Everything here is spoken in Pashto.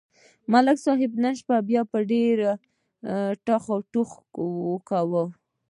ملک صاحب نن شپه بیا ډېر ټوخ ټوخ کاوه.